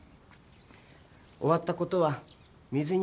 終わったことは水に流そうよ。